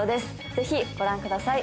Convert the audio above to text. ぜひご覧ください